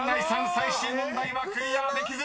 最終問題はクリアできず］